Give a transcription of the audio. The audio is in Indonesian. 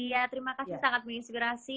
iya terima kasih sangat menginspirasi